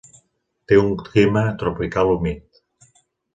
Té un clima tropical humit.